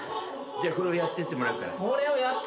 じゃあこれをやってってもらうから。